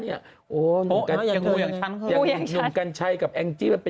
เนี่ยโอ๋หนูก่านชัยกับแองจี้